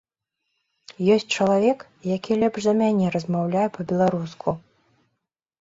Ёсць чалавек, які лепш за мяне размаўляе па-беларуску.